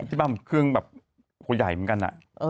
ที่บ้านเครื่องแบบหัวใหญ่เหมือนกัน